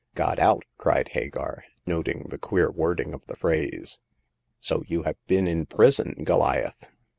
Got out !" cried Hagar, noting the queer wording of the phrase ;" so you have been in prison, Goliath